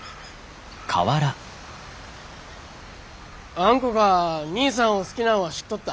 あんこが兄さんを好きなんは知っとった。